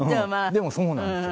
でもそうなんですよ。